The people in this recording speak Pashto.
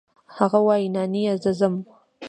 هغه وايي نانيه زه ځمه.